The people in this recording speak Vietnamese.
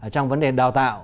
trong vấn đề đào tạo